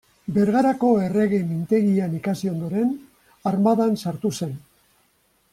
Bergarako Errege Mintegian ikasi ondoren, armadan sartu zen.